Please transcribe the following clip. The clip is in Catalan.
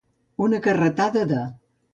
Una carretada de.